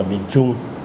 ở miền trung